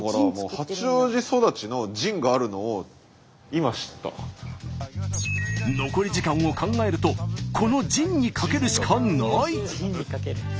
一応これ残り時間を考えるとこのジンに賭けるしかない。